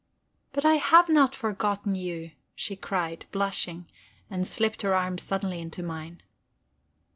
"But I have not forgotten you," she cried, blushing, and slipped her arm suddenly into mine.